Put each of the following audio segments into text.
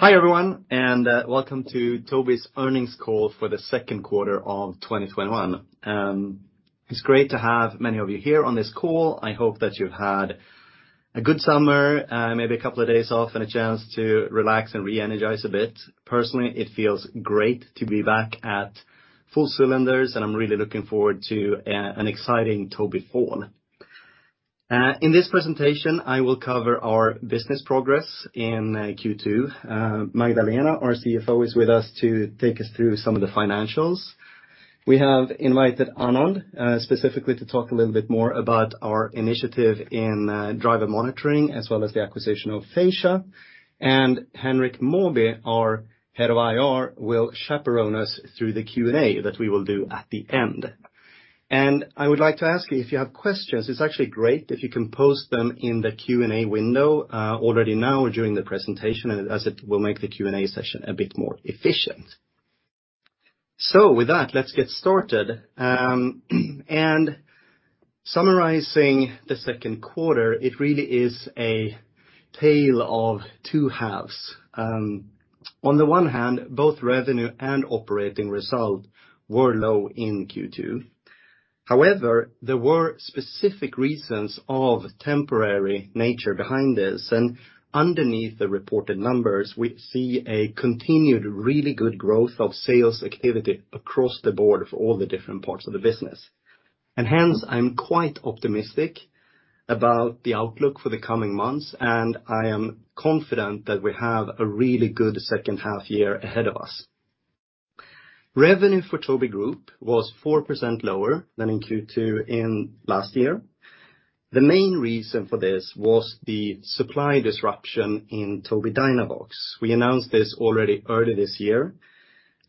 Hi, everyone, welcome to Tobii's earnings call for the second quarter of 2021. It's great to have many of you here on this call. I hope that you've had a good summer, maybe a couple of days off and a chance to relax and re-energize a bit. Personally, it feels great to be back at full cylinders, and I'm really looking forward to an exciting Tobii fall. In this presentation, I will cover our business progress in Q2. Magdalena, our CFO, is with us to take us through some of the financials. We have invited Anand Srivatsa specifically to talk a little bit more about our initiative in driver monitoring, as well as the acquisition of Phasya. Henrik Mawby, our head of IR, will chaperone us through the Q&A that we will do at the end. I would like to ask you, if you have questions, it's actually great if you can post them in the Q&A window already now during the presentation, as it will make the Q&A session a bit more efficient. With that, let's get started. Summarizing the second quarter, it really is a tale of two halves. On the one hand, both revenue and operating result were low in Q2. However, there were specific reasons of temporary nature behind this, and underneath the reported numbers, we see a continued really good growth of sales activity across the board for all the different parts of the business. Hence, I'm quite optimistic about the outlook for the coming months, and I am confident that we have a really good second half year ahead of us. Revenue for Tobii Group was 4% lower than in Q2 in last year. The main reason for this was the supply disruption in Tobii Dynavox. We announced this already earlier this year.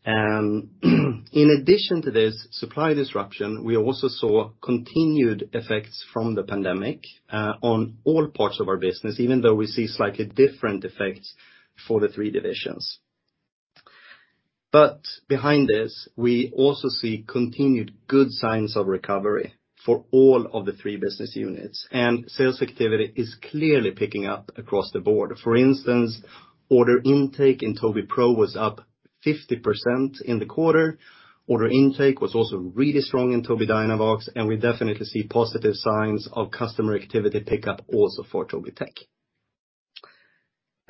In addition to this supply disruption, we also saw continued effects from the pandemic on all parts of our business, even though we see slightly different effects for the three divisions. Behind this, we also see continued good signs of recovery for all of the three business units, and sales activity is clearly picking up across the board. For instance, order intake in Tobii Pro was up 50% in the quarter. Order intake was also really strong in Tobii Dynavox, and we definitely see positive signs of customer activity pick up also for Tobii Tech.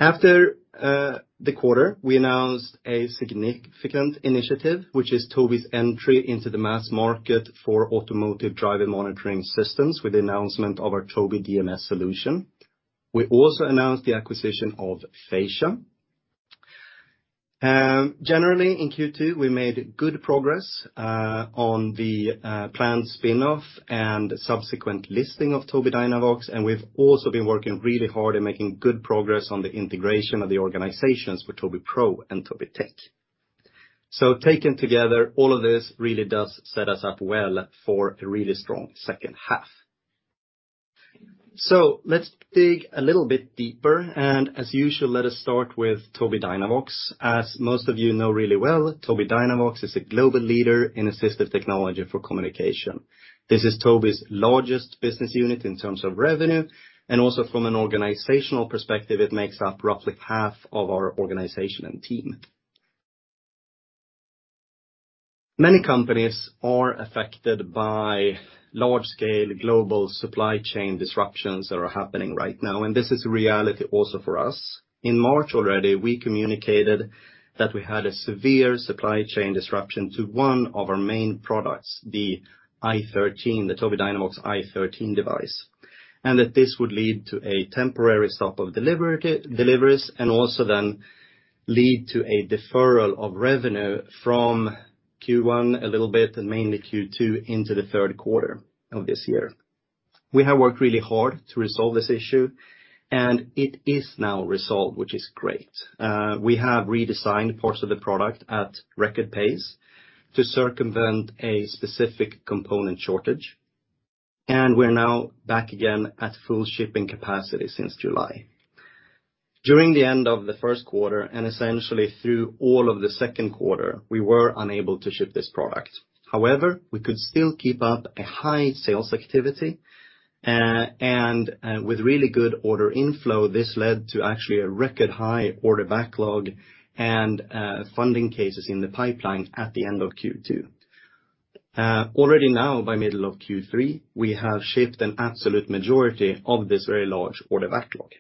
After the quarter, we announced a significant initiative, which is Tobii's entry into the mass market for automotive driver monitoring systems with the announcement of our Tobii DMS solution. We also announced the acquisition of Phasya. Generally, in Q2, we made good progress on the planned spin-off and subsequent listing of Tobii Dynavox, and we've also been working really hard and making good progress on the integration of the organizations for Tobii Pro and Tobii Tech. Taken together, all of this really does set us up well for a really strong second half. Let's dig a little bit deeper, and as usual, let us start with Tobii Dynavox. As most of you know really well, Tobii Dynavox is a global leader in assistive technology for communication. This is Tobii's largest business unit in terms of revenue, and also from an organizational perspective, it makes up roughly half of our organization and team. Many companies are affected by large scale global supply chain disruptions that are happening right now, and this is a reality also for us. In March already, we communicated that we had a severe supply chain disruption to one of our main products, the I-13, the Tobii Dynavox I-13 device, and that this would lead to a temporary stop of deliveries, and also then lead to a deferral of revenue from Q1 a little bit, and mainly Q2 into the third quarter of this year. We have worked really hard to resolve this issue, and it is now resolved, which is great. We have redesigned parts of the product at record pace to circumvent a specific component shortage, and we are now back again at full shipping capacity since July. During the end of the first quarter and essentially through all of the second quarter, we were unable to ship this product. However, we could still keep up a high sales activity, and with really good order inflow, this led to actually a record high order backlog and funding cases in the pipeline at the end of Q2. Already now, by middle of Q3, we have shipped an absolute majority of this very large order backlog.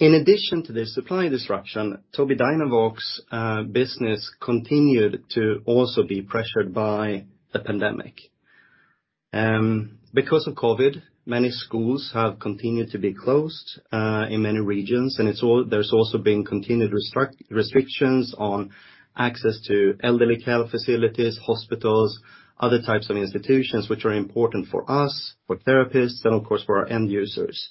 In addition to this supply disruption, Tobii Dynavox business continued to also be pressured by the pandemic. Because of COVID, many schools have continued to be closed, in many regions, and there's also been continued restrictions on access to elderly care facilities, hospitals, other types of institutions which are important for us, for therapists, and of course, for our end users.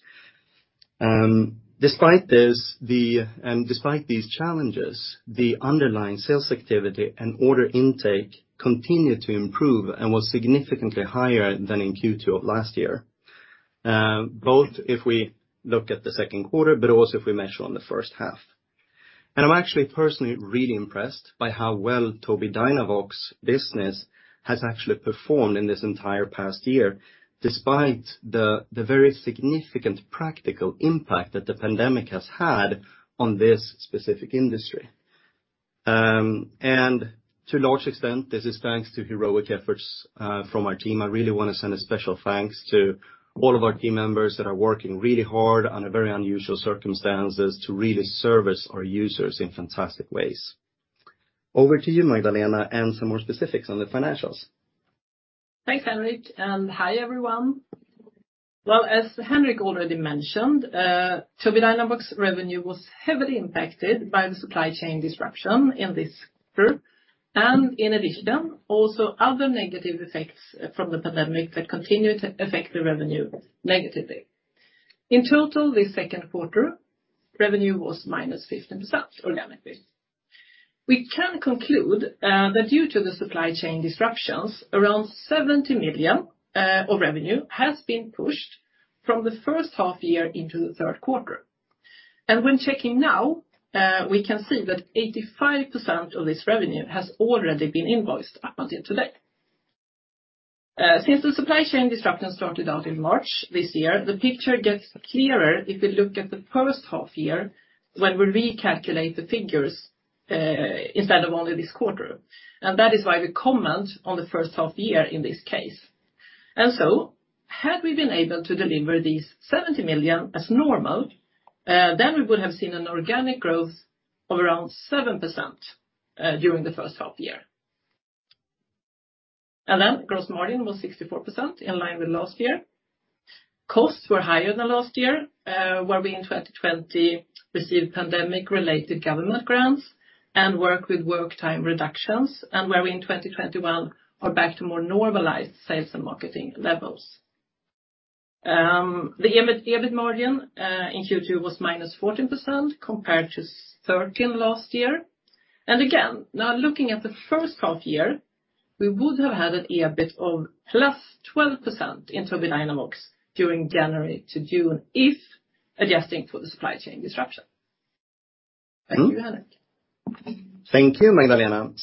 Despite these challenges, the underlying sales activity and order intake continued to improve and was significantly higher than in Q2 of last year. If we look at the second quarter, also if we measure on the first half. I'm actually personally really impressed by how well Tobii Dynavox business has actually performed in this entire past year, despite the very significant practical impact that the pandemic has had on this specific industry. To a large extent, this is thanks to heroic efforts from our team. I really want to send a special thanks to all of our team members that are working really hard under very unusual circumstances to really service our users in fantastic ways. Over to you, Magdalena, and some more specifics on the financials. Thanks, Henrik. Hi, everyone. Well, as Henrik already mentioned, Tobii Dynavox revenue was heavily impacted by the supply chain disruption in this group, and in addition, also other negative effects from the pandemic that continue to affect the revenue negatively. In total, this second quarter, revenue was -15% organically. We can conclude that due to the supply chain disruptions, around 70 million of revenue has been pushed from the first half year into the third quarter. When checking now, we can see that 85% of this revenue has already been invoiced up until today. Since the supply chain disruption started out in March this year, the picture gets clearer if we look at the first half year, when we recalculate the figures instead of only this quarter. That is why we comment on the first half year in this case. Had we been able to deliver these 70 million as normal, we would have seen an organic growth of around 7% during the first half year. Gross margin was 64%, in line with last year. Costs were higher than last year, where we in 2020 received pandemic-related government grants and work with work time reductions, and where in 2021 are back to more normalized sales and marketing levels. The EBIT margin in Q2 was -14%, compared to 13% last year. Again, now looking at the first half year, we would have had an EBIT of +12% in Tobii Dynavox during January to June if adjusting for the supply chain disruption. Thank you, Henrik. Thank you, Magdalena.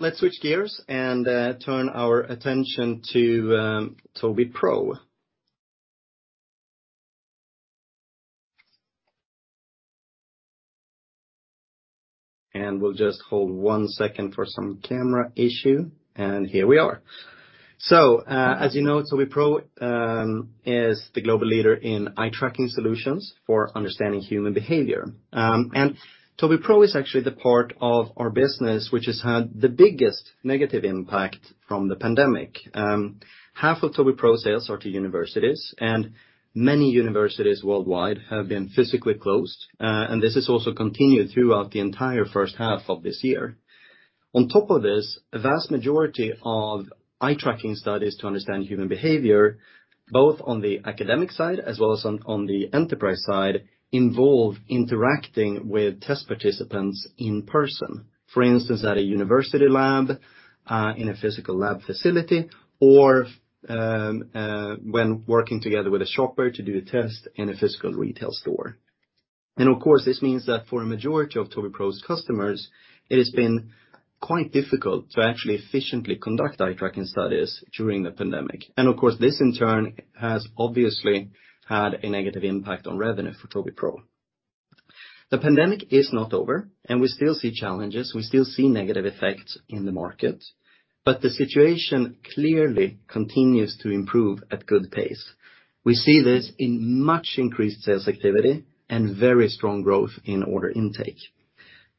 Let's switch gears and turn our attention to Tobii Pro. We'll just hold one second for some camera issue, and here we are. As you know, Tobii Pro is the global leader in eye tracking solutions for understanding human behavior. Tobii Pro is actually the part of our business which has had the biggest negative impact from the pandemic. Half of Tobii Pro sales are to universities, and many universities worldwide have been physically closed, and this has also continued throughout the entire first half of this year. On top of this, a vast majority of eye tracking studies to understand human behavior, both on the academic side as well as on the enterprise side, involve interacting with test participants in person. For instance, at a university lab, in a physical lab facility, or when working together with a shopper to do a test in a physical retail store. Of course, this means that for a majority of Tobii Pro's customers, it has been quite difficult to actually efficiently conduct eye tracking studies during the pandemic. Of course, this in turn has obviously had a negative impact on revenue for Tobii Pro. The pandemic is not over, and we still see challenges. We still see negative effects in the market, the situation clearly continues to improve at good pace. We see this in much increased sales activity and very strong growth in order intake.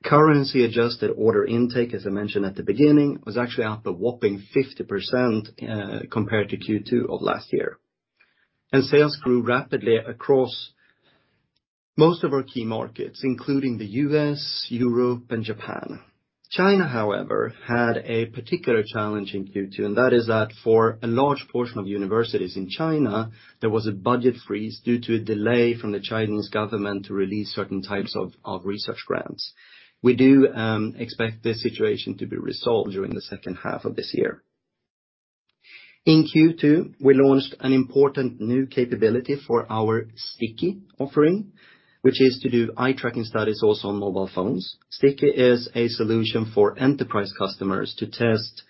Currency-adjusted order intake, as I mentioned at the beginning, was actually up a whopping 50% compared to Q2 of last year. Sales grew rapidly across most of our key markets, including the U.S., Europe, and Japan. China, however, had a particular challenge in Q2, and that is that for a large portion of universities in China, there was a budget freeze due to a delay from the Chinese government to release certain types of research grants. We do expect this situation to be resolved during the second half of this year. In Q2, we launched an important new capability for our Sticky offering, which is to do eye tracking studies also on mobile phones. Sticky is a solution for enterprise customers to test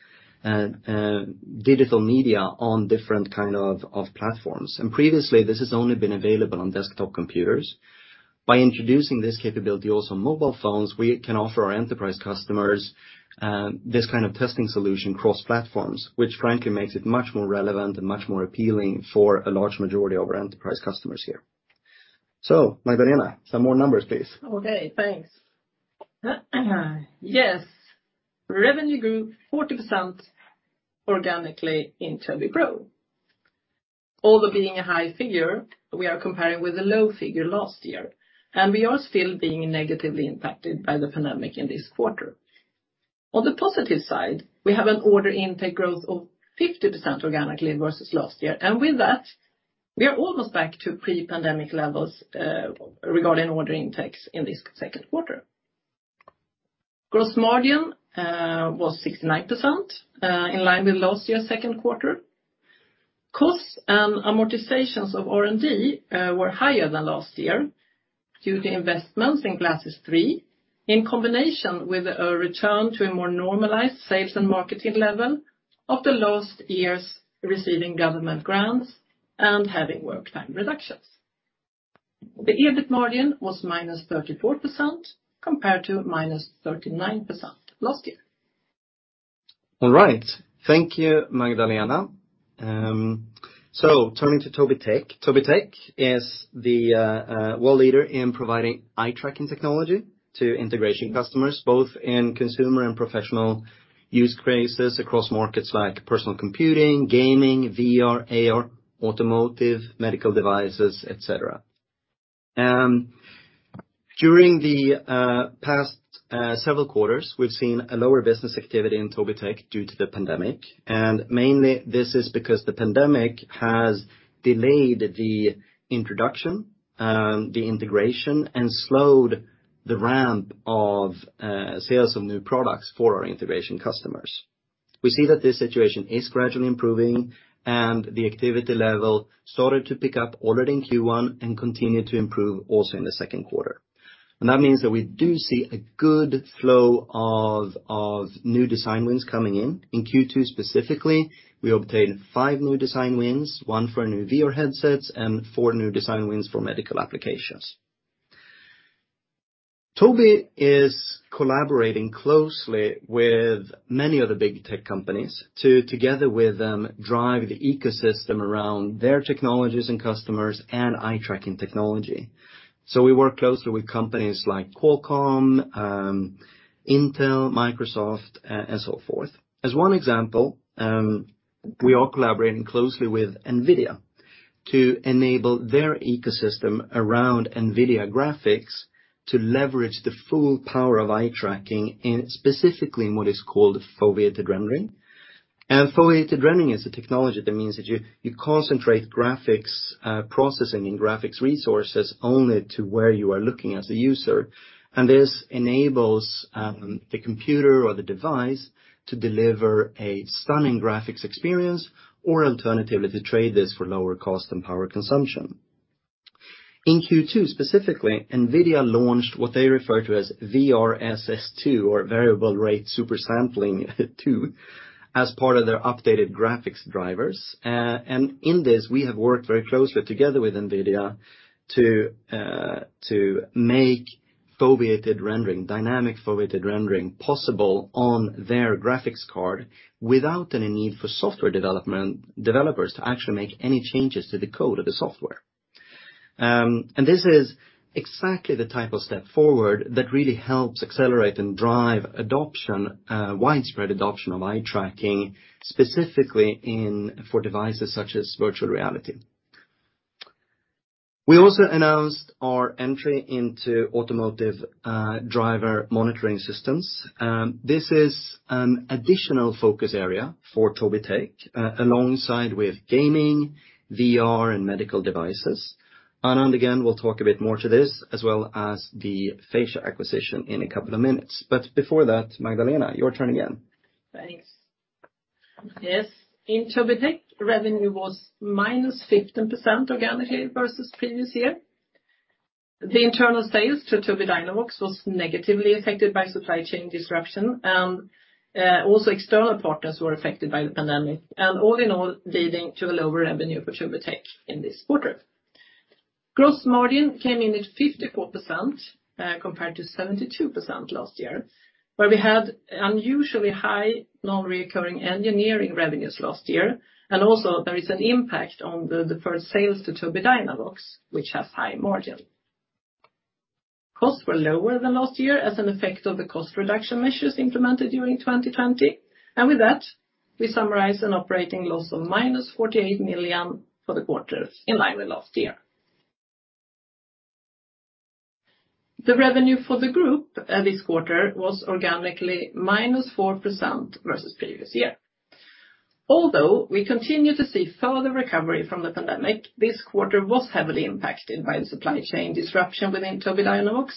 digital media on different kind of platforms. Previously, this has only been available on desktop computers. By introducing this capability also on mobile phones, we can offer our enterprise customers this kind of testing solution cross-platform, which frankly makes it much more relevant and much more appealing for a large majority of our enterprise customers here. Magdalena, some more numbers, please. Okay. Thanks. Yes. Revenue grew 40% organically in Tobii Pro. Although being a high figure, we are comparing with a low figure last year, and we are still being negatively impacted by the pandemic in this quarter. On the positive side, we have an order intake growth of 50% organically versus last year. With that, we are almost back to pre-pandemic levels regarding order intakes in this second quarter. Gross margin was 69%, in line with last year's second quarter. Costs and amortizations of R&D were higher than last year due to investments in Glasses 3, in combination with a return to a more normalized sales and marketing level of the last years receiving government grants and having work time reductions. The EBIT margin was -34% compared to -39% last year. Thank you, Magdalena. Turning to Tobii Tech. Tobii Tech is the world leader in providing eye-tracking technology to integration customers, both in consumer and professional use cases across markets like personal computing, gaming, VR, AR, automotive, medical devices, et cetera. During the past several quarters, we've seen a lower business activity in Tobii Tech due to the pandemic. Mainly this is because the pandemic has delayed the introduction, the integration, and slowed the ramp of sales of new products for our integration customers. We see that this situation is gradually improving, and the activity level started to pick up already in Q1 and continued to improve also in the second quarter. That means that we do see a good flow of new design wins coming in. In Q2 specifically, we obtained five new design wins, one for new VR headsets and four new design wins for medical applications. Tobii is collaborating closely with many of the big tech companies to, together with them, drive the ecosystem around their technologies and customers and eye-tracking technology. We work closely with companies like Qualcomm, Intel, Microsoft, and so forth. As one example, we are collaborating closely with Nvidia to enable their ecosystem around Nvidia graphics to leverage the full power of eye tracking, specifically in what is called foveated rendering. Foveated rendering is a technology that means that you concentrate graphics processing and graphics resources only to where you are looking as a user. This enables the computer or the device to deliver a stunning graphics experience or alternatively, to trade this for lower cost and power consumption. In Q2, specifically, Nvidia launched what they refer to as VRSS 2 or Variable Rate Supersampling 2 as part of their updated graphics drivers. In this, we have worked very closely together with Nvidia to make dynamic foveated rendering possible on their graphics card without any need for software developers to actually make any changes to the code of the software. This is exactly the type of step forward that really helps accelerate and drive widespread adoption of eye-tracking, specifically for devices such as virtual reality. We also announced our entry into automotive driver monitoring systems. This is an additional focus area for Tobii Tech, alongside with gaming, VR, and medical devices. Anand again will talk a bit more to this as well as the Phasya acquisition in a couple of minutes. Before that, Magdalena, your turn again. Thanks. Yes. In Tobii Tech, revenue was -15% organically versus the previous year. The internal sales to Tobii Dynavox was negatively affected by supply chain disruption, and also external partners were affected by the pandemic, and all in all, leading to a lower revenue for Tobii Tech in this quarter. Gross margin came in at 54%, compared to 72% last year, where we had unusually high non-recurring engineering revenues last year. Also there is an impact on the deferred sales to Tobii Dynavox, which has high margin. Costs were lower than last year as an effect of the cost reduction measures implemented during 2020. With that, we summarize an operating loss of -48 million for the quarter in line with last year. The revenue for the group this quarter was organically -4% versus the previous year. We continue to see further recovery from the pandemic, this quarter was heavily impacted by the supply chain disruption within Tobii Dynavox,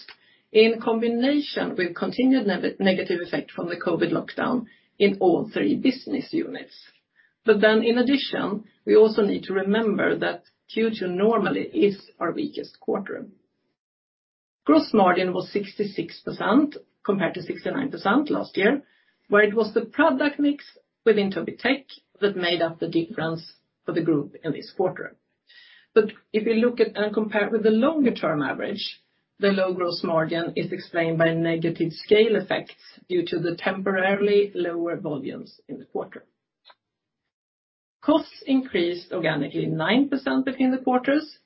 in combination with continued negative effect from the COVID lockdown in all three business units. In addition, we also need to remember that Q2 normally is our weakest quarter. Gross margin was 66% compared to 69% last year, where it was the product mix within Tobii Tech that made up the difference for the group in this quarter. If you look at and compare with the longer-term average, the low gross margin is explained by negative scale effects due to the temporarily lower volumes in the quarter. Costs increased organically 9% between the quarters,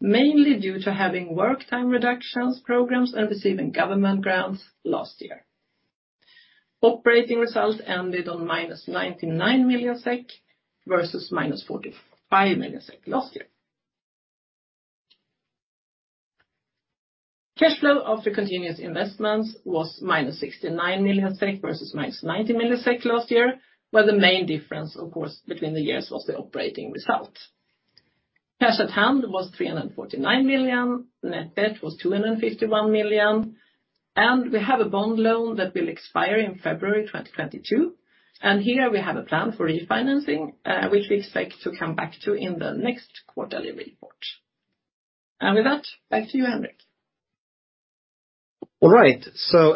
mainly due to having work time reductions programs and receiving government grants last year. Operating results ended on -99 million SEK versus -45 million SEK last year. Cash flow after continuous investments was -69 million versus -90 million last year, where the main difference, of course, between the years was the operating result. Cash at hand was 349 million. Net debt was 251 million. We have a bond loan that will expire in February 2022. Here we have a plan for refinancing, which we expect to come back to in the next quarterly report. With that, back to you, Henrik. All right.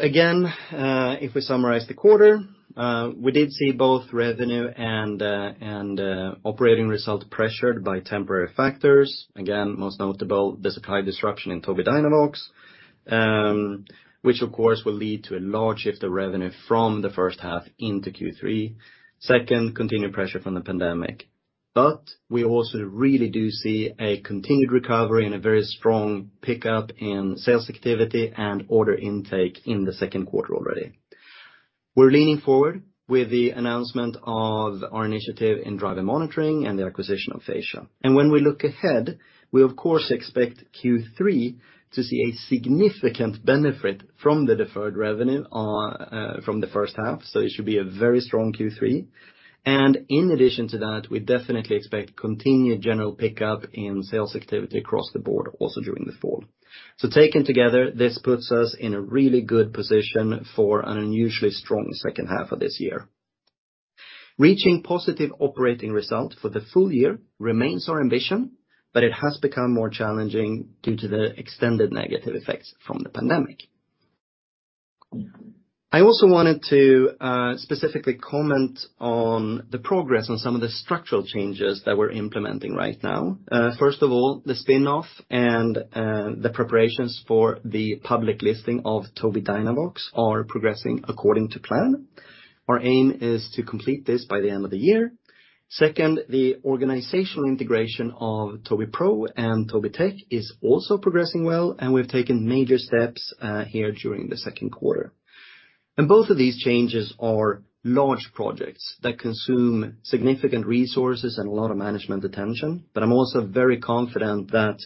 Again, if we summarize the quarter, we did see both revenue and operating result pressured by temporary factors. Again, most notable, the supply disruption in Tobii Dynavox, which of course, will lead to a large shift of revenue from the first half into Q3. Second, continued pressure from the pandemic. We also really do see a continued recovery and a very strong pickup in sales activity and order intake in the second quarter already. We're leaning forward with the announcement of our initiative in driver monitoring and the acquisition of Phasya. When we look ahead, we of course expect Q3 to see a significant benefit from the deferred revenue from the first half. It should be a very strong Q3. In addition to that, we definitely expect continued general pickup in sales activity across the board also during the fall. Taken together, this puts us in a really good position for an unusually strong second half of this year. Reaching positive operating result for the full year remains our ambition, but it has become more challenging due to the extended negative effects from the pandemic. I also wanted to specifically comment on the progress on some of the structural changes that we're implementing right now. First of all, the spinoff and the preparations for the public listing of Tobii Dynavox are progressing according to plan. Our aim is to complete this by the end of the year. Second, the organizational integration of Tobii Pro and Tobii Tech is also progressing well, and we've taken major steps here during the second quarter. Both of these changes are large projects that consume significant resources and a lot of management attention. I'm also very confident that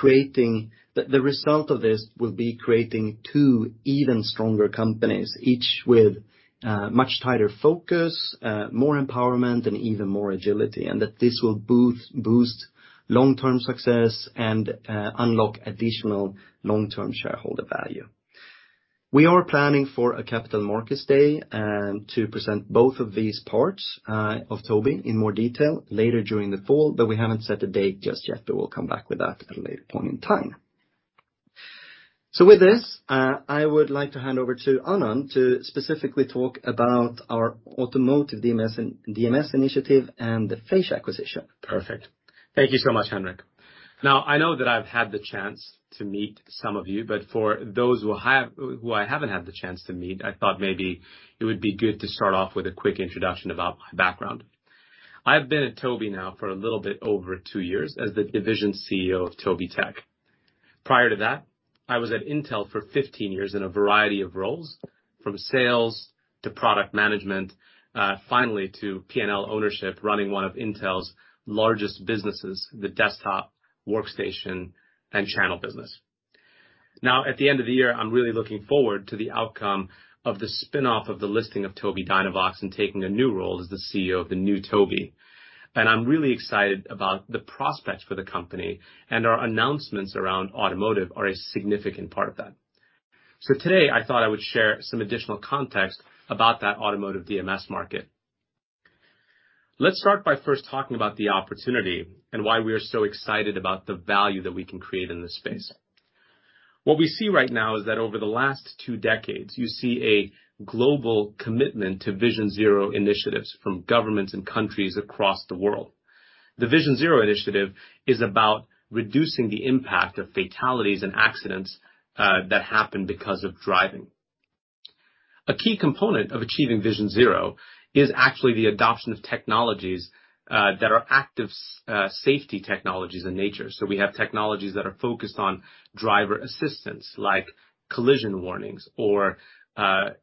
the result of this will be creating two even stronger companies, each with much tighter focus, more empowerment, and even more agility, and that this will boost long-term success and unlock additional long-term shareholder value. We are planning for a capital markets day to present both of these parts of Tobii in more detail later during the fall, but we haven't set a date just yet, but we'll come back with that at a later point in time. With this, I would like to hand over to Anand to specifically talk about our automotive DMS initiative and the Phasya acquisition. Perfect. Thank you so much, Henrik. Now, I know that I've had the chance to meet some of you, but for those who I haven't had the chance to meet, I thought maybe it would be good to start off with a quick introduction about my background. I've been at Tobii now for a little bit over two years as the Division CEO of Tobii Tech. Prior to that, I was at Intel for 15 years in a variety of roles, from sales to product management, finally to P&L ownership, running one of Intel's largest businesses, the desktop, workstation, and channel business. Now, at the end of the year, I'm really looking forward to the outcome of the spinoff of the listing of Tobii Dynavox and taking a new role as the CEO of the new Tobii. I'm really excited about the prospects for the company, and our announcements around automotive are a significant part of that. Today, I thought I would share some additional context about that automotive DMS market. Let's start by first talking about the opportunity and why we are so excited about the value that we can create in this space. What we see right now is that over the last two decades, you see a global commitment to Vision Zero initiatives from governments and countries across the world. The Vision Zero initiative is about reducing the impact of fatalities and accidents that happen because of driving. A key component of achieving Vision Zero is actually the adoption of technologies that are active safety technologies in nature. We have technologies that are focused on driver assistance, like collision warnings or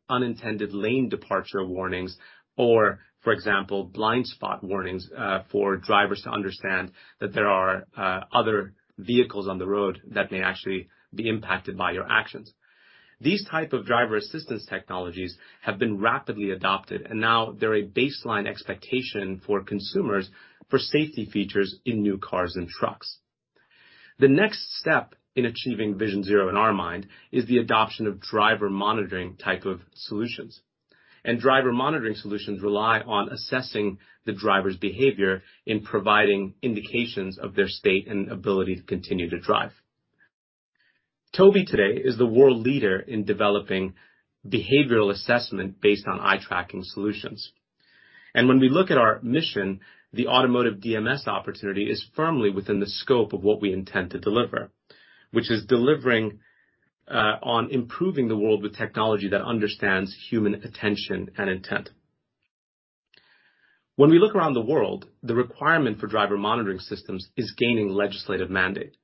unintended lane departure warnings, or for example, blind spot warnings for drivers to understand that there are other vehicles on the road that may actually be impacted by your actions. These type of driver assistance technologies have been rapidly adopted, and now they're a baseline expectation for consumers for safety features in new cars and trucks. The next step in achieving Vision Zero in our mind is the adoption of driver monitoring type of solutions. Driver monitoring solutions rely on assessing the driver's behavior in providing indications of their state and ability to continue to drive. Tobii today is the world leader in developing behavioral assessment based on eye tracking solutions. When we look at our mission, the automotive DMS opportunity is firmly within the scope of what we intend to deliver, which is delivering on improving the world with technology that understands human attention and intent. When we look around the world, the requirement for driver monitoring systems is gaining legislative mandate.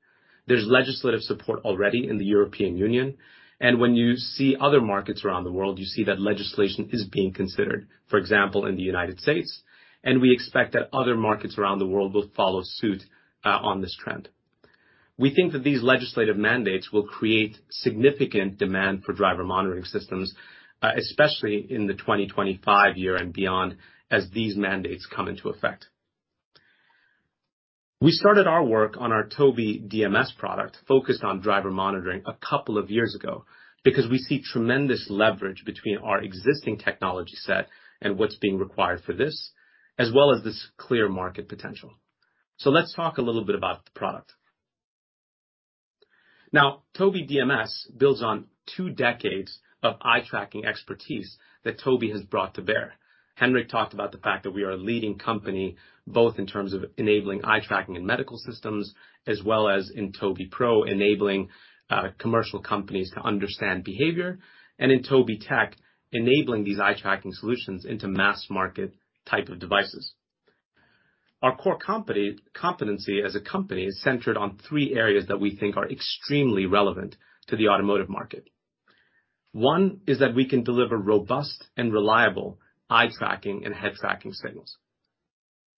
There's legislative support already in the European Union. When you see other markets around the world, you see that legislation is being considered, for example, in the United States, and we expect that other markets around the world will follow suit on this trend. We think that these legislative mandates will create significant demand for driver monitoring systems, especially in the 2025 year and beyond, as these mandates come into effect. We started our work on our Tobii DMS product focused on driver monitoring a couple of years ago because we see tremendous leverage between our existing technology set and what's being required for this, as well as this clear market potential. Let's talk a little bit about the product. Now, Tobii DMS builds on two decades of eye-tracking expertise that Tobii has brought to bear. Henrik talked about the fact that we are a leading company, both in terms of enabling eye tracking in medical systems as well as in Tobii Pro, enabling commercial companies to understand behavior, and in Tobii Tech, enabling these eye-tracking solutions into mass market type of devices. Our core competency as a company is centered on three areas that we think are extremely relevant to the automotive market. One is that we can deliver robust and reliable eye-tracking and head-tracking signals.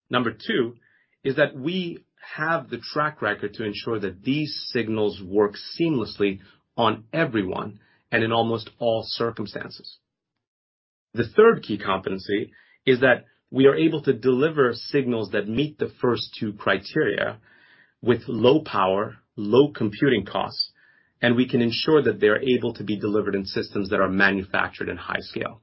Number two is that we have the track record to ensure that these signals work seamlessly on everyone and in almost all circumstances. The third key competency is that we are able to deliver signals that meet the first two criteria with low power, low computing costs, and we can ensure that they're able to be delivered in systems that are manufactured in high scale.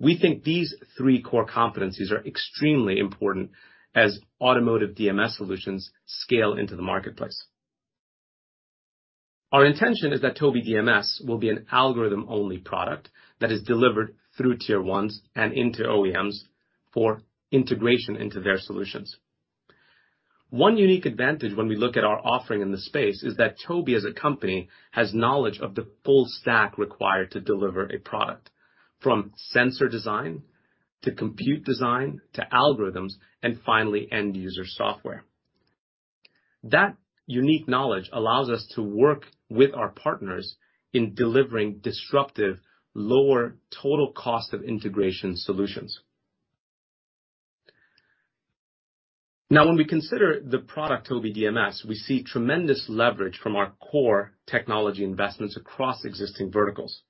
We think these three core competencies are extremely important as automotive DMS solutions scale into the marketplace. Our intention is that Tobii DMS will be an algorithm-only product that is delivered through tier ones and into OEMs for integration into their solutions. One unique advantage when we look at our offering in the space is that Tobii, as a company, has knowledge of the full stack required to deliver a product, from sensor design to compute design to algorithms, and finally, end-user software. That unique knowledge allows us to work with our partners in delivering disruptive, lower total cost of integration solutions. Now, when we consider the product Tobii DMS, we see tremendous leverage from our core technology investments across existing verticals.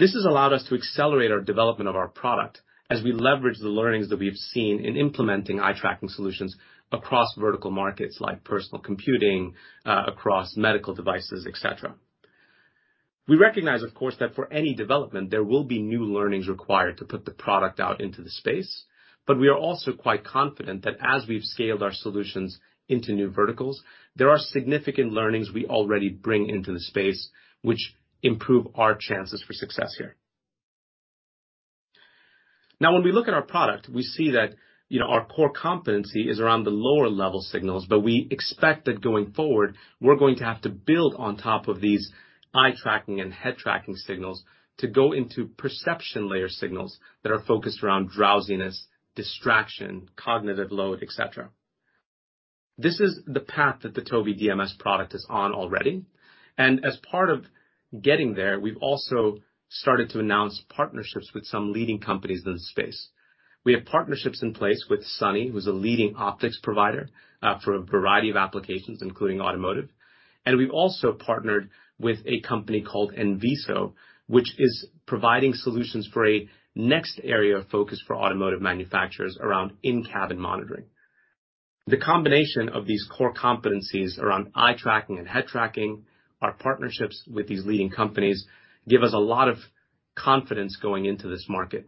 This has allowed us to accelerate our development of our product as we leverage the learnings that we've seen in implementing eye tracking solutions across vertical markets like personal computing, across medical devices, et cetera. We recognize, of course, that for any development, there will be new learnings required to put the product out into the space, but we are also quite confident that as we've scaled our solutions into new verticals, there are significant learnings we already bring into the space which improve our chances for success here. When we look at our product, we see that our core competency is around the lower-level signals, but we expect that going forward, we're going to have to build on top of these eye-tracking and head-tracking signals to go into perception layer signals that are focused around drowsiness, distraction, cognitive load, et cetera. This is the path that the Tobii DMS product is on already. As part of getting there, we've also started to announce partnerships with some leading companies in the space. We have partnerships in place with Sunny, who's a leading optics provider for a variety of applications, including automotive. We've also partnered with a company called Nviso, which is providing solutions for a next area of focus for automotive manufacturers around in-cabin monitoring. The combination of these core competencies around eye-tracking and head-tracking, our partnerships with these leading companies give us a lot of confidence going into this market.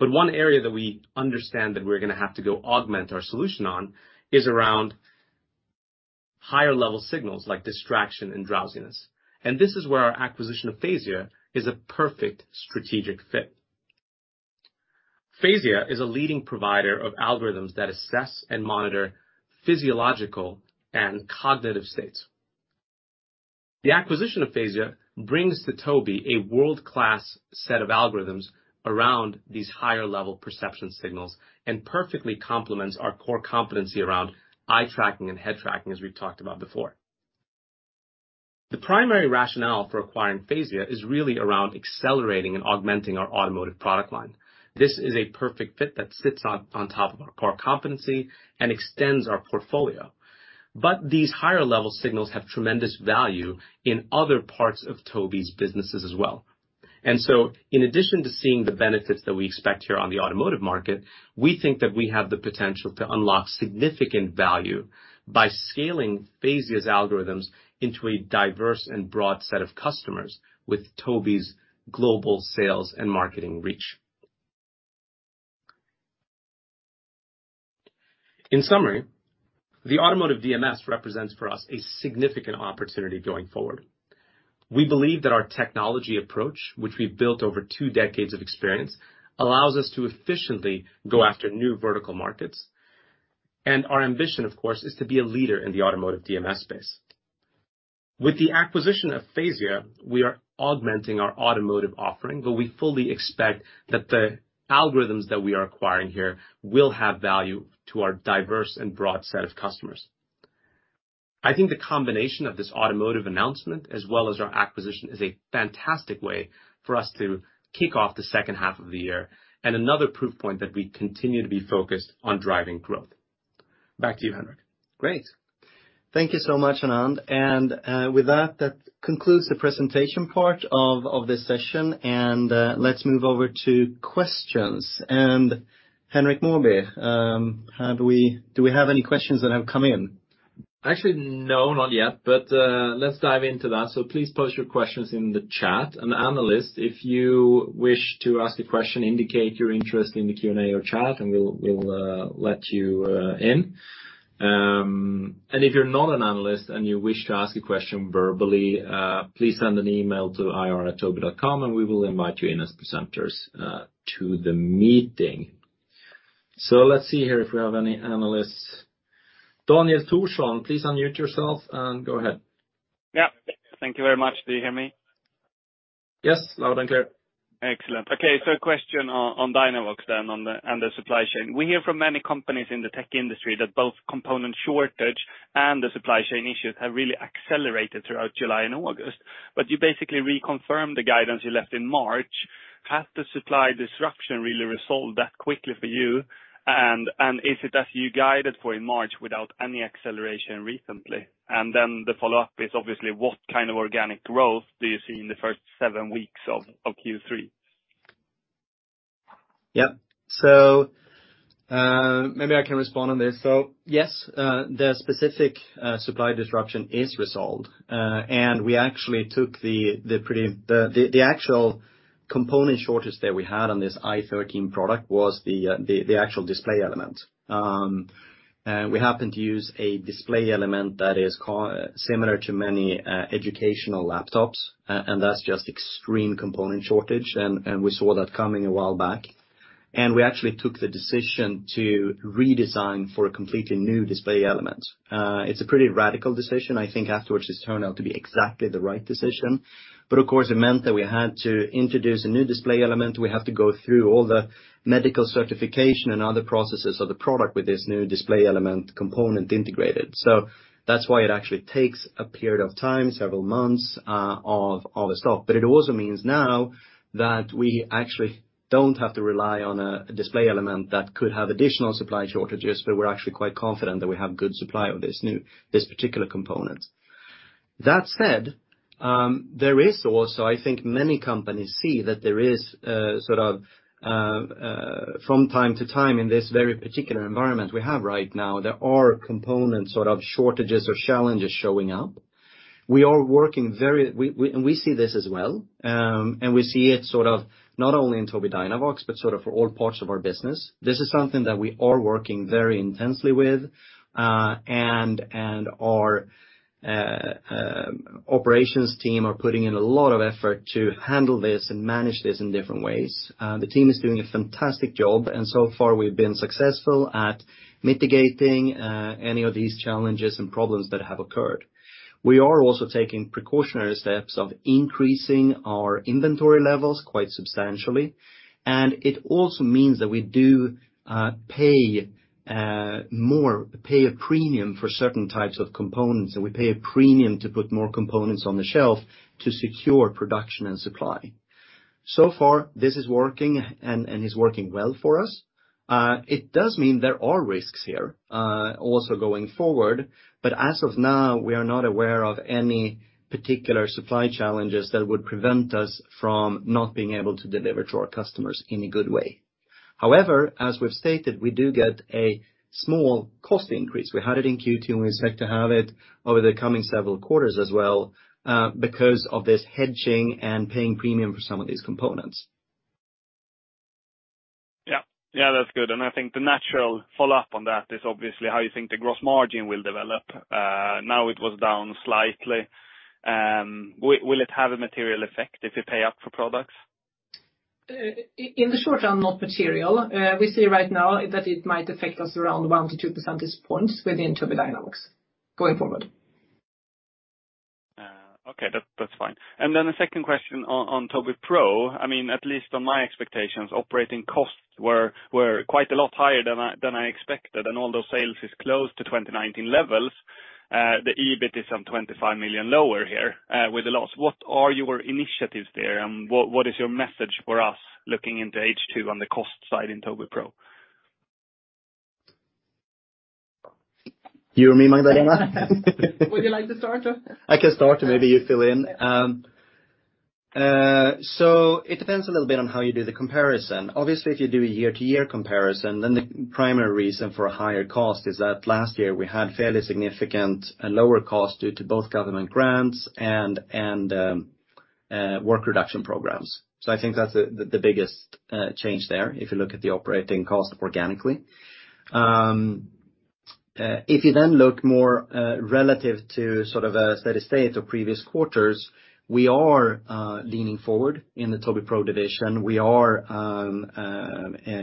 One area that we understand that we're going to have to go augment our solution on is around higher-level signals like distraction and drowsiness. This is where our acquisition of Phasya is a perfect strategic fit. Phasya is a leading provider of algorithms that assess and monitor physiological and cognitive states. The acquisition of Phasya brings to Tobii a world-class set of algorithms around these higher-level perception signals and perfectly complements our core competency around eye-tracking and head-tracking, as we've talked about before. The primary rationale for acquiring Phasya is really around accelerating and augmenting our automotive product line. This is a perfect fit that sits on top of our core competency and extends our portfolio. These higher-level signals have tremendous value in other parts of Tobii's businesses as well. In addition to seeing the benefits that we expect here on the automotive market, we think that we have the potential to unlock significant value by scaling Phasya's algorithms into a diverse and broad set of customers with Tobii's global sales and marketing reach. In summary, the automotive DMS represents for us a significant opportunity going forward. We believe that our technology approach, which we've built over two decades of experience, allows us to efficiently go after new vertical markets. Our ambition, of course, is to be a leader in the automotive DMS space. With the acquisition of Phasya, we are augmenting our automotive offering, but we fully expect that the algorithms that we are acquiring here will have value to our diverse and broad set of customers. I think the combination of this automotive announcement as well as our acquisition is a fantastic way for us to kick off the second half of the year and another proof point that we continue to be focused on driving growth. Back to you, Henrik. Great. Thank you so much, Anand. With that concludes the presentation part of this session, and let's move over to questions. Henrik Mawby, do we have any questions that have come in? Actually, no, not yet. Let's dive into that. Please post your questions in the chat. Analysts, if you wish to ask a question, indicate your interest in the Q&A or chat and we'll let you in. If you're not an analyst and you wish to ask a question verbally, please send an email to ir@tobii.com and we will invite you in as presenters to the meeting. Let's see here if we have any analysts. Daniel Thorsson, please unmute yourself and go ahead. Yeah. Thank you very much. Do you hear me? Yes, loud and clear. Excellent. Question on Dynavox then, and the supply chain. We hear from many companies in the tech industry that both component shortage and the supply chain issues have really accelerated throughout July and August. You basically reconfirmed the guidance you left in March. Has the supply disruption really resolved that quickly for you? Is it as you guided for in March without any acceleration recently? The follow-up is obviously what kind of organic growth do you see in the first seven weeks of Q3? Yeah. Maybe I can respond on this. Yes, the specific supply disruption is resolved. The actual component shortage that we had on this I-13 product was the actual display element. We happened to use a display element that is similar to many educational laptops, and that's just extreme component shortage, and we saw that coming a while back. We actually took the decision to redesign for a completely new display element. It's a pretty radical decision. I think afterwards this turned out to be exactly the right decision. Of course, it meant that we had to introduce a new display element. We have to go through all the medical certification and other processes of the product with this new display element component integrated. That's why it actually takes a period of time, several months of a stop. It also means now that we actually don't have to rely on a display element that could have additional supply shortages, but we're actually quite confident that we have good supply of this particular component. That said, there is also, I think many companies see that there is, from time to time in this very particular environment we have right now, there are component shortages or challenges showing up. We see this as well, and we see it sort of not only in Tobii Dynavox, but sort of for all parts of our business. This is something that we are working very intensely with, and our operations team are putting in a lot of effort to handle this and manage this in different ways. The team is doing a fantastic job, and so far we've been successful at mitigating any of these challenges and problems that have occurred. We are also taking precautionary steps of increasing our inventory levels quite substantially. It also means that we do pay a premium for certain types of components. We pay a premium to put more components on the shelf to secure production and supply. So far, this is working and is working well for us. It does mean there are risks here also going forward. As of now, we are not aware of any particular supply challenges that would prevent us from not being able to deliver to our customers in a good way. However, as we've stated, we do get a small cost increase. We had it in Q2. We expect to have it over the coming several quarters as well because of this hedging and paying premium for some of these components. Yeah. That's good. I think the natural follow-up on that is obviously how you think the gross margin will develop. Now it was down slightly. Will it have a material effect if you pay up for products? In the short term, not material. We see right now that it might affect us around 1% to 2% percentage points within Tobii Dynavox going forward. Okay, that's fine. The second question on Tobii Pro. At least on my expectations, operating costs were quite a lot higher than I expected. Although sales is close to 2019 levels, the EBIT is some 25 million lower here with a loss. What are your initiatives there? What is your message for us looking into H2 on the cost side in Tobii Pro? You or me, Magdalena? Would you like to start? I can start, maybe you fill in. It depends a little bit on how you do the comparison. Obviously, if you do a year-over-year comparison, the primary reason for a higher cost is that last year we had fairly significant lower cost due to both government grants and work reduction programs. I think that's the biggest change there, if you look at the operating cost organically. If you look more relative to a steady state or previous quarters, we are leaning forward in the Tobii Pro division. We are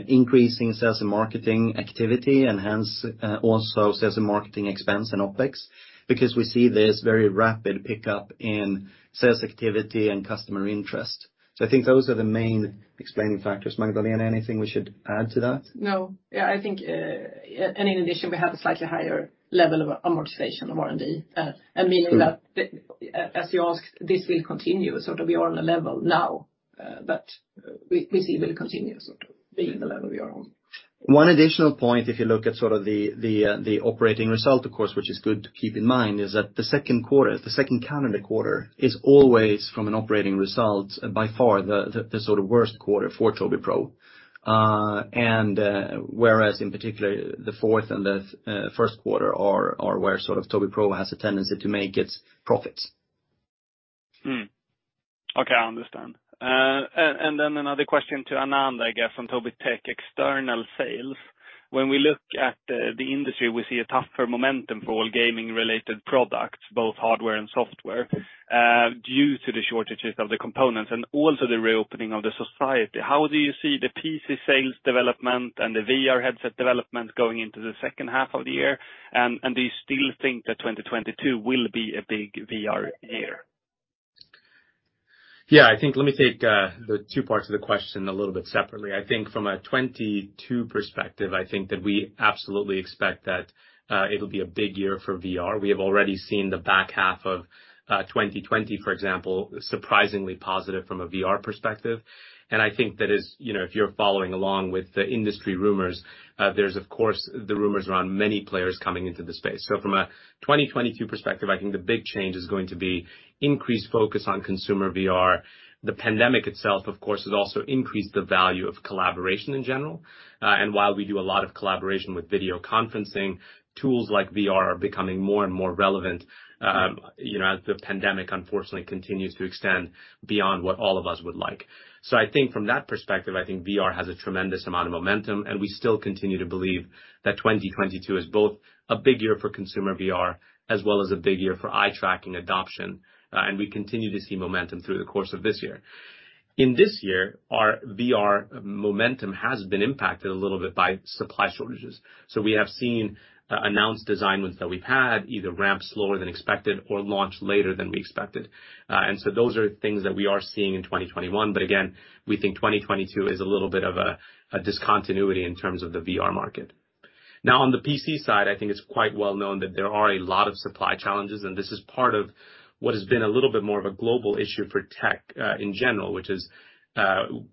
increasing sales and marketing activity and hence also sales and marketing expense and OpEx because we see this very rapid pickup in sales activity and customer interest. I think those are the main explaining factors. Magdalena, anything we should add to that? No. In addition, we have a slightly higher level of amortization of R&D. Meaning that, as you asked, this will continue. That we are on a level now that we see will continue being the level we are on. One additional point, if you look at the operating result, of course, which is good to keep in mind, is that the second calendar quarter is always, from an operating result, by far the worst quarter for Tobii Pro. Whereas in particular, the fourth and the first quarter are where Tobii Pro has a tendency to make its profits. Okay, I understand. Then another question to Anand, I guess, from Tobii Tech external sales. When we look at the industry, we see a tougher momentum for all gaming-related products, both hardware and software, due to the shortages of the components and also the reopening of the society. How do you see the PC sales development and the VR headset development going into the second half of the year? Do you still think that 2022 will be a big VR year? Yeah. Let me take the two parts of the question a little bit separately. I think from a 2022 perspective, I think that we absolutely expect that it'll be a big year for VR. We have already seen the back half of 2020, for example, surprisingly positive from a VR perspective. I think that if you're following along with the industry rumors, there's of course the rumors around many players coming into the space. From a 2022 perspective, I think the big change is going to be increased focus on consumer VR. The pandemic itself, of course, has also increased the value of collaboration in general. While we do a lot of collaboration with video conferencing, tools like VR are becoming more and more relevant as the pandemic, unfortunately, continues to extend beyond what all of us would like. I think from that perspective, I think VR has a tremendous amount of momentum, and we still continue to believe that 2022 is both a big year for consumer VR as well as a big year for eye-tracking adoption. We continue to see momentum through the course of this year. In this year, our VR momentum has been impacted a little bit by supply shortages. We have seen announced design wins that we've had either ramp slower than expected or launch later than we expected. Those are things that we are seeing in 2021. Again, we think 2022 is a little bit of a discontinuity in terms of the VR market. On the PC side, I think it's quite well known that there are a lot of supply challenges. This is part of what has been a little bit more of a global issue for tech in general.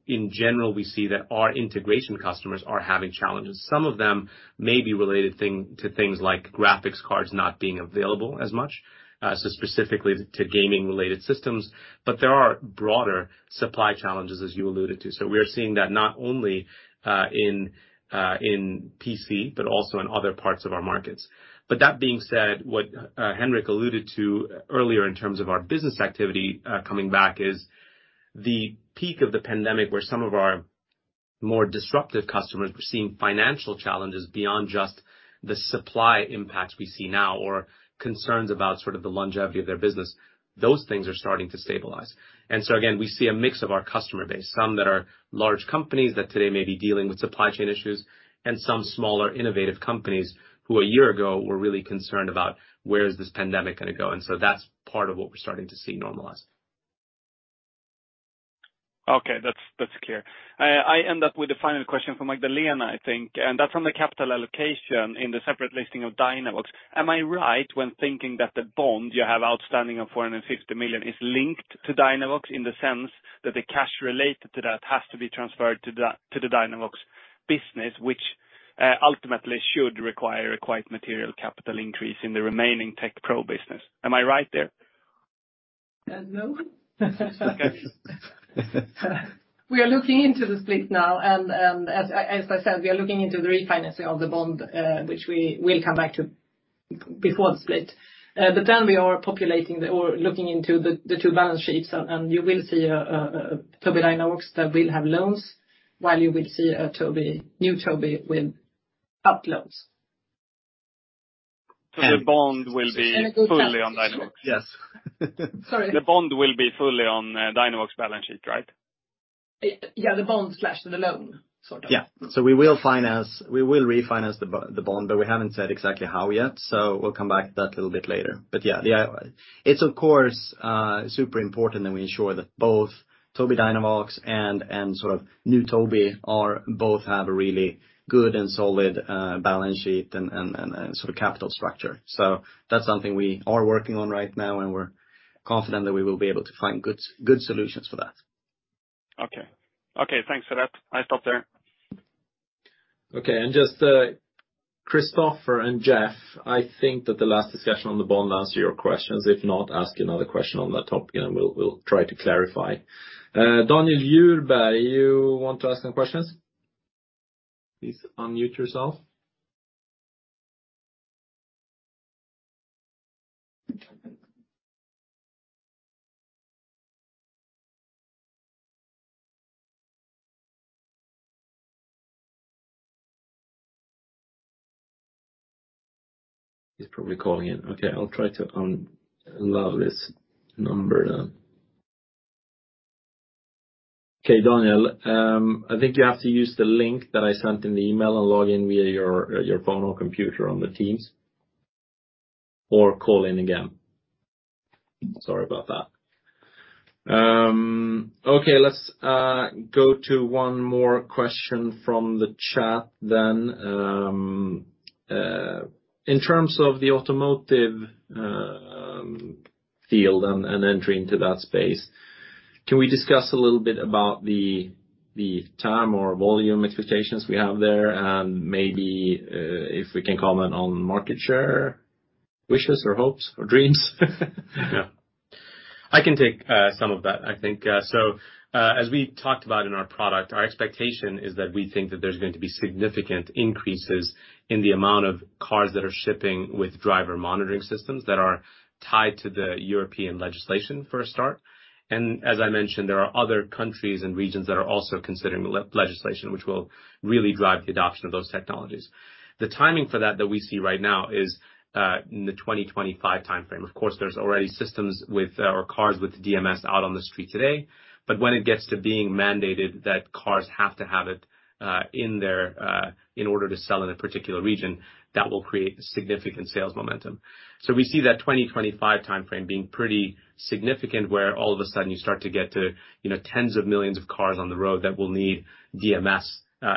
In general, we see that our integration customers are having challenges. Some of them may be related to things like graphics cards not being available as much, specifically to gaming-related systems. There are broader supply challenges as you alluded to. We are seeing that not only in PC but also in other parts of our markets. That being said, what Henrik alluded to earlier in terms of our business activity coming back is the peak of the pandemic, where some of our more disruptive customers were seeing financial challenges beyond just the supply impacts we see now or concerns about the longevity of their business. Those things are starting to stabilize. Again, we see a mix of our customer base, some that are large companies that today may be dealing with supply chain issues, and some smaller, innovative companies who a year ago were really concerned about where is this pandemic going to go. That's part of what we're starting to see normalize. Okay. That's clear. I end up with the final question from Magdalena, I think, and that's on the capital allocation in the separate listing of Dynavox. Am I right when thinking that the bond you have outstanding of 450 million is linked to Dynavox in the sense that the cash related to that has to be transferred to the Dynavox business, which ultimately should require a quite material capital increase in the remaining Tech Pro business. Am I right there? No. Okay. We are looking into the split now. As I said, we are looking into the refinancing of the bond, which we will come back to before the split. We are populating or looking into the two balance sheets, and you will see Tobii Dynavox that will have loans, while you will see new Tobii without loans. The bond will be fully on Dynavox. Yes. Sorry? The bond will be fully on Dynavox balance sheet, right? Yeah. The bond/the loan sort of. Yeah. We will refinance the bond, but we haven't said exactly how yet. We'll come back to that a little bit later. Yeah. It's of course super important that we ensure that both Tobii Dynavox and new Tobii both have a really good and solid balance sheet and capital structure. That's something we are working on right now, and we're confident that we will be able to find good solutions for that. Okay. Thanks for that. I stop there. Okay. Just Kristoffer and Jeff, I think that the last discussion on the bond answered your questions. If not, ask another question on that topic and we'll try to clarify. Daniel Djurberg, you want to ask some questions? Please unmute yourself. He's probably calling in. Okay. I'll try to allow this number then. Okay, Daniel, I think you have to use the link that I sent in the email and log in via your phone or computer on the Teams or call in again. Sorry about that. Okay. Let's go to one more question from the chat then. In terms of the automotive field and entry into that space. Can we discuss a little bit about the time or volume expectations we have there, and maybe if we can comment on market share wishes or hopes or dreams? Yeah. I can take some of that, I think. As we talked about in our product, our expectation is that we think that there's going to be significant increases in the amount of cars that are shipping with driver monitoring systems that are tied to the European legislation, for a start. As I mentioned, there are other countries and regions that are also considering legislation, which will really drive the adoption of those technologies. The timing for that that we see right now is in the 2025 timeframe. Of course, there's already cars with DMS out on the street today, but when it gets to being mandated that cars have to have it in order to sell in a particular region, that will create significant sales momentum. We see that 2025 timeframe being pretty significant, where all of a sudden you start to get to tens of millions of cars on the road that will need DMS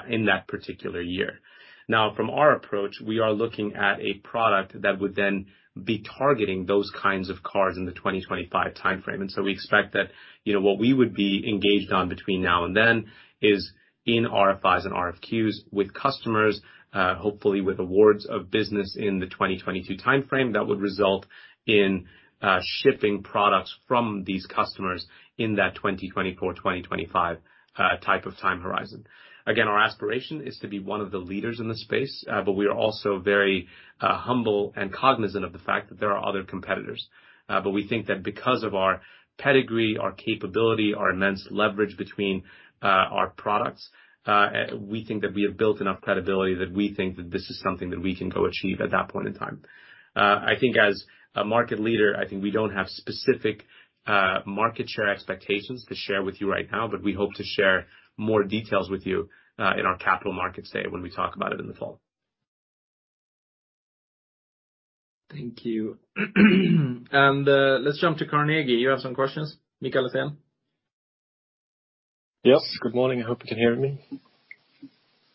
in that particular year. Now, from our approach, we are looking at a product that would then be targeting those kinds of cars in the 2025 timeframe. We expect that, what we would be engaged on between now and then is in RFIs and RFQs with customers, hopefully with awards of business in the 2022 timeframe that would result in shipping products from these customers in that 2024/2025 type of time horizon. Again, our aspiration is to be one of the leaders in the space, but we are also very humble and cognizant of the fact that there are other competitors. We think that because of our pedigree, our capability, our immense leverage between our products, we think that we have built enough credibility that we think that this is something that we can go achieve at that point in time. I think as a market leader, I think we don't have specific market share expectations to share with you right now, but we hope to share more details with you in our capital markets day when we talk about it in the fall. Thank you. Let's jump to Carnegie. You have some questions, Mikael Laséen? Yes. Good morning. I hope you can hear me.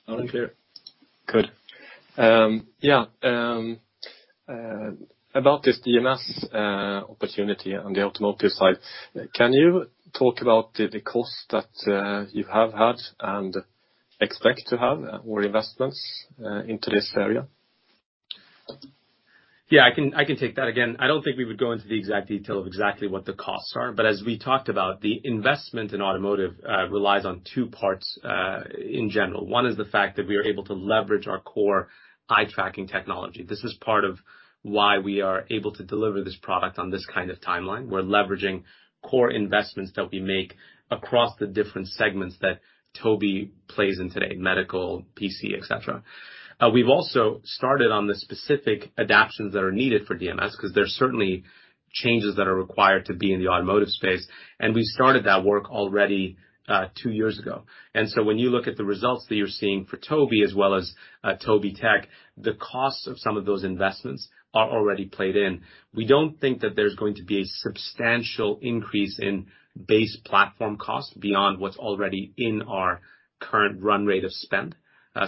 Loud and clear. Good. Yeah. About this DMS opportunity on the automotive side, can you talk about the cost that you have had and expect to have or investments into this area? Yeah, I can take that again. I don't think we would go into the exact detail of exactly what the costs are. As we talked about, the investment in automotive relies on two parts in general. One is the fact that we are able to leverage our core eye-tracking technology. This is part of why we are able to deliver this product on this kind of timeline. We're leveraging core investments that we make across the different segments that Tobii plays in today, medical, PC, et cetera. We've also started on the specific adaptions that are needed for DMS because there's certainly changes that are required to be in the automotive space, and we started that work already two years ago. When you look at the results that you're seeing for Tobii as well as Tobii Tech, the cost of some of those investments are already played in. We don't think that there's going to be a substantial increase in base platform costs beyond what's already in our current run rate of spend.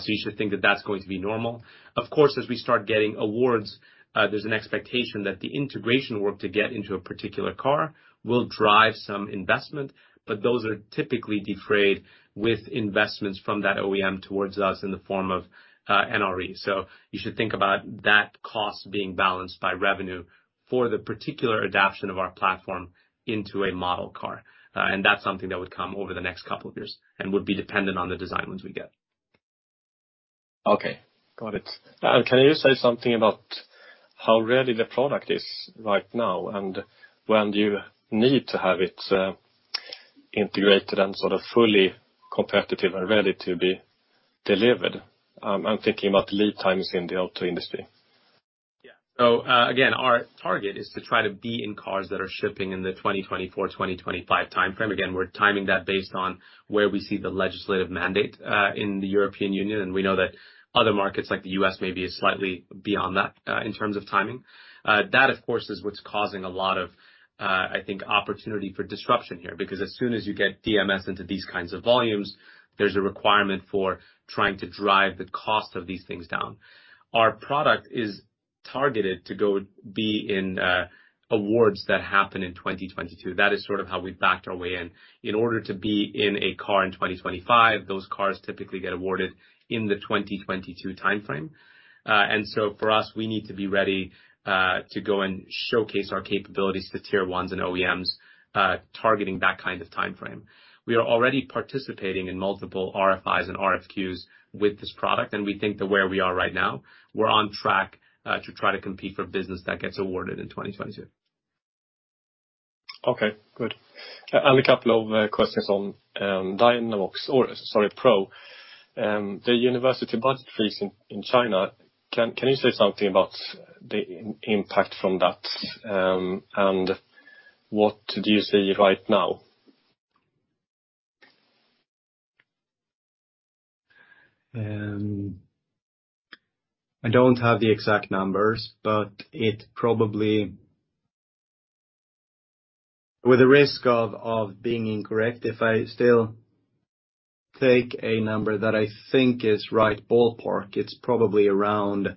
You should think that that's going to be normal. Of course, as we start getting awards, there's an expectation that the integration work to get into a particular car will drive some investment, but those are typically defrayed with investments from that OEM towards us in the form of NRE. You should think about that cost being balanced by revenue for the particular adaption of our platform into a model car. That's something that would come over the next couple of years and would be dependent on the design wins we get. Okay. Got it. Can you say something about how ready the product is right now and when do you need to have it integrated and sort of fully competitive and ready to be delivered? I'm thinking about lead times in the auto industry. Again, our target is to try to be in cars that are shipping in the 2024/2025 timeframe. Again, we're timing that based on where we see the legislative mandate, in the European Union, and we know that other markets like the U.S. may be slightly beyond that, in terms of timing. That, of course, is what's causing a lot of, I think, opportunity for disruption here. As soon as you get DMS into these kinds of volumes, there's a requirement for trying to drive the cost of these things down. Our product is targeted to go be in awards that happen in 2022. That is sort of how we backed our way in. In order to be in a car in 2025, those cars typically get awarded in the 2022 timeframe. For us, we need to be ready to go and showcase our capabilities to tier 1s and OEMs, targeting that kind of timeframe. We are already participating in multiple RFIs and RFQs with this product. We think that where we are right now, we're on track to try to compete for business that gets awarded in 2022. Okay, good. A couple of questions on Dynavox or, sorry, Pro. The university budget freeze in China, can you say something about the impact from that? What do you see right now? I don't have the exact numbers, but with the risk of being incorrect, if I still. Take a number that I think is right ballpark. It's probably around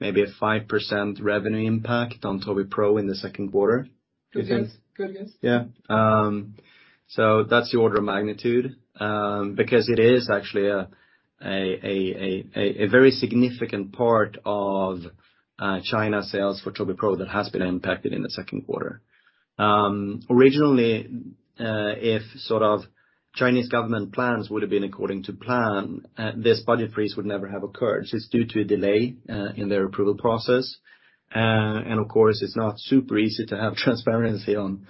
maybe a 5% revenue impact on Tobii Pro in the second quarter. Good guess. Yeah. That's the order of magnitude, because it is actually a very significant part of China sales for Tobii Pro that has been impacted in the second quarter. Originally, if Chinese government plans would've been according to plan, this budget freeze would never have occurred. It's due to a delay in their approval process. Of course, it's not super easy to have transparency on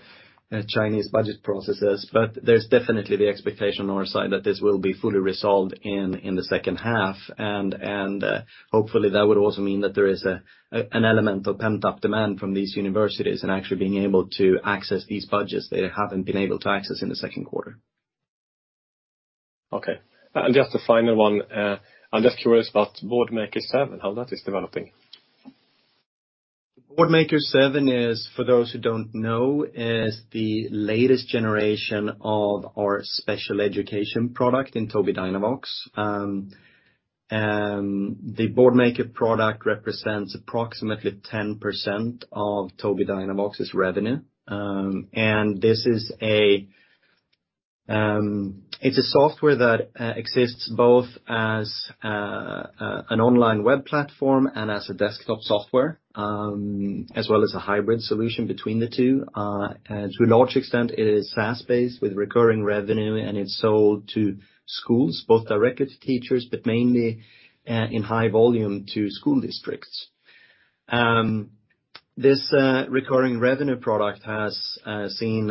Chinese budget processes, but there's definitely the expectation on our side that this will be fully resolved in the second half. Hopefully, that would also mean that there is an element of pent-up demand from these universities and actually being able to access these budgets they haven't been able to access in the second quarter. Okay. Just a final one. I'm just curious about Boardmaker 7, how that is developing. Boardmaker 7 is, for those who don't know, the latest generation of our special education product in Tobii Dynavox. The Boardmaker product represents approximately 10% of Tobii Dynavox's revenue. It's a software that exists both as an online web platform and as a desktop software, as well as a hybrid solution between the two. To a large extent, it is SaaS-based with recurring revenue, and it's sold to schools, both directly to teachers, but mainly in high volume to school districts. This recurring revenue product has seen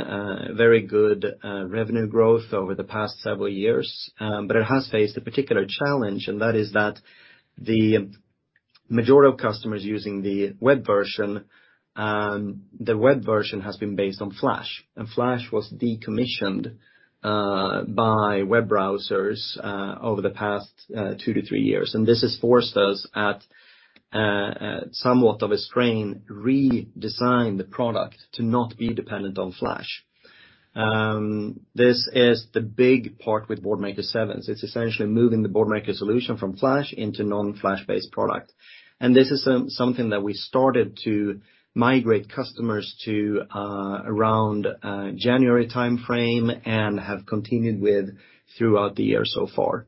very good revenue growth over the past several years. It has faced a particular challenge, and that is that the majority of customers using the web version, the web version has been based on Flash. Flash was decommissioned by web browsers over the past two to three years. This has forced us at somewhat of a strain, redesign the product to not be dependent on Flash. This is the big part with Boardmaker 7. It's essentially moving the Boardmaker solution from Flash into non-Flash-based product. This is something that we started to migrate customers to around January timeframe and have continued with throughout the year so far.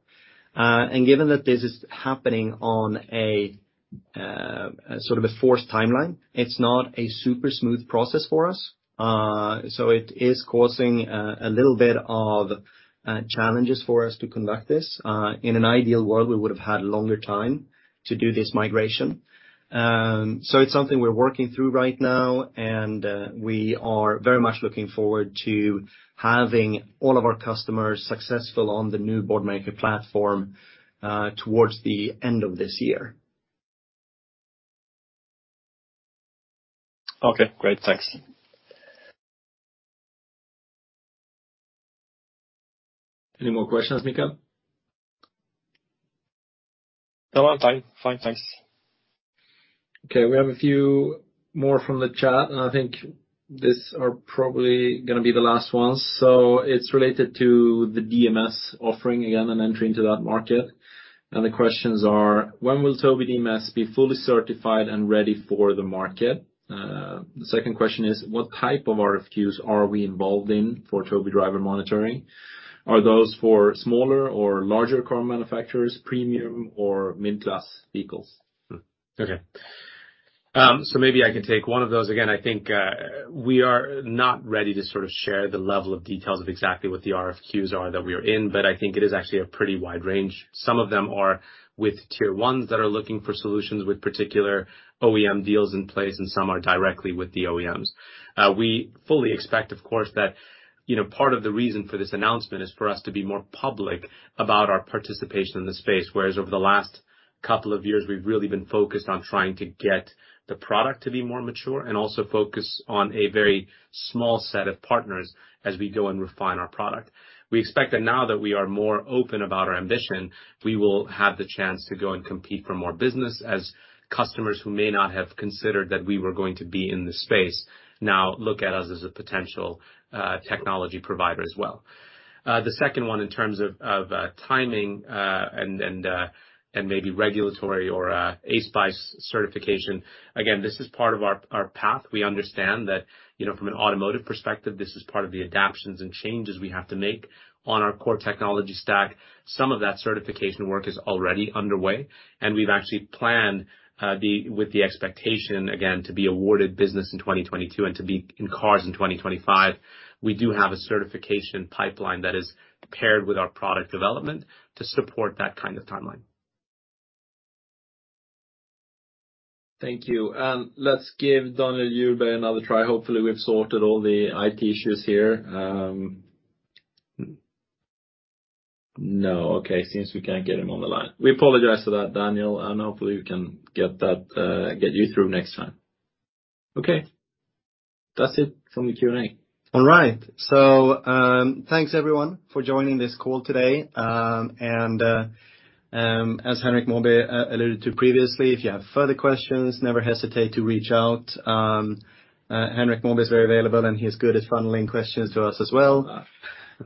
Given that this is happening on a sort of a forced timeline, it's not a super smooth process for us. It is causing a little bit of challenges for us to conduct this. In an ideal world, we would've had longer time to do this migration. It's something we're working through right now, and we are very much looking forward to having all of our customers successful on the new Boardmaker platform towards the end of this year. Okay, great. Thanks. Any more questions, Mika? No, I'm fine. Thanks. We have a few more from the chat. I think these are probably going to be the last ones. It's related to the DMS offering again and entering to that market. The questions are: when will Tobii DMS be fully certified and ready for the market? The second question is: what type of RFQs are we involved in for Tobii Driver Monitoring? Are those for smaller or larger car manufacturers, premium or mid-class vehicles? Okay. Maybe I can take one of those. Again, I think we are not ready to sort of share the level of details of exactly what the RFQs are that we are in, but I think it is actually a pretty wide range. Some of them are with tier 1s that are looking for solutions with particular OEM deals in place, and some are directly with the OEMs. We fully expect, of course, that part of the reason for this announcement is for us to be more public about our participation in the space. Whereas over the last couple of years, we've really been focused on trying to get the product to be more mature and also focus on a very small set of partners as we go and refine our product. We expect that now that we are more open about our ambition, we will have the chance to go and compete for more business as customers who may not have considered that we were going to be in the space now look at us as a potential technology provider as well. The second one, in terms of timing and maybe regulatory or ASPICE certification. Again, this is part of our path. We understand that from an automotive perspective, this is part of the adaptations and changes we have to make on our core technology stack. Some of that certification work is already underway, and we've actually planned with the expectation, again, to be awarded business in 2022 and to be in cars in 2025. We do have a certification pipeline that is paired with our product development to support that kind of timeline. Thank you. Let's give Daniel Ylberg another try. Hopefully, we've sorted all the IT issues here. No. Seems we can't get him on the line. We apologize for that, Daniel, and hopefully we can get you through next time. That's it from the Q&A. All right. Thanks everyone for joining this call today. As Henrik Mawby alluded to previously, if you have further questions, never hesitate to reach out. Henrik Mawby is very available, and he's good at funneling questions to us as well.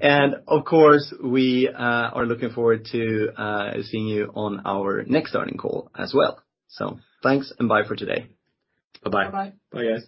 Of course, we are looking forward to seeing you on our next earnings call as well. Thanks and bye for today. Bye-bye. Bye-bye. Bye guys.